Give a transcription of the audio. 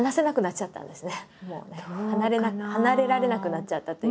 離れられなくなっちゃったというか。